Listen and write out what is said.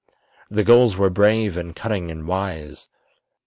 The gulls were brave, and cunning, and wise.